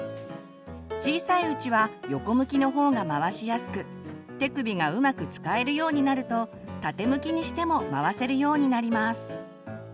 小さいうちは横向きの方が回しやすく手首がうまく使えるようになると縦向きにしても回せるようになります。